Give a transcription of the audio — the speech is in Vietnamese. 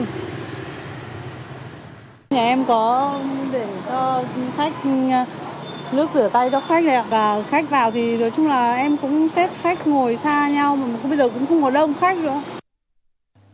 nhà em có để cho khách nước rửa tay cho khách này và khách vào thì nói chung là em cũng xếp khách ngồi xa nhau bây giờ cũng không có đông khách nữa